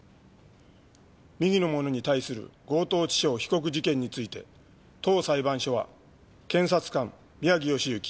右の者に対する強盗致傷被告事件について当裁判所は検察官宮城義之